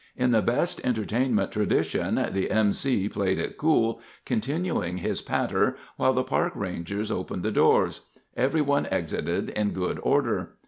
In the best entertainment tradition, the MC played it cool, continuing his patter while the Park Rangers opened the doors. Everyone exited in good order.